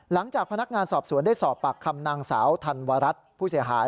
หลังจากพนักงานสอบสวนได้สอบปากคำนางสาวธันวรัฐผู้เสียหาย